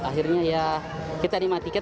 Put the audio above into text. akhirnya ya kita dimatikan